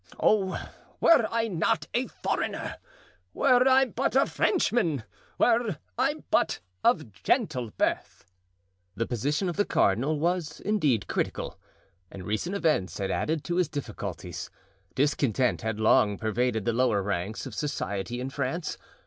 "Oh, were I not a foreigner! were I but a Frenchman! were I but of gentle birth!" The position of the cardinal was indeed critical, and recent events had added to his difficulties. Discontent had long pervaded the lower ranks of society in France.